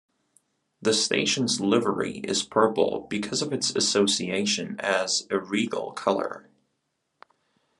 The station's livery is purple because of its association as a regal colour.